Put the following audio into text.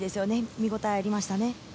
見応えありましたよね。